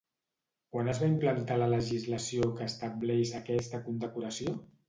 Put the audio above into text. Quan es va implantar la legislació que estableix aquesta condecoració?